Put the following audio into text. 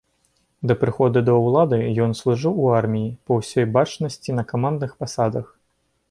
Да прыходу да ўлады ён служыў у арміі, па ўсёй бачнасці, на камандных пасадах.